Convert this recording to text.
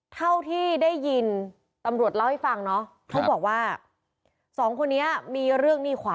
เท่าที่ได้ยินตำรวจเล่าให้ฟังเนาะ